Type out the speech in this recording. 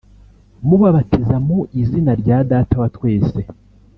mubabatiza mu izina rya Data wa twese